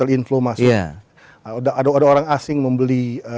ada orang asing membeli